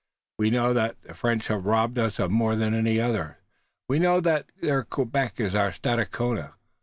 We know that the French have robbed us more than any others. We know, that their Quebec is our Stadacona.